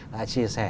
đã chia sẻ